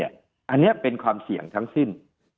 อันนี้เป็นความเสี่ยงทั้งสิ้น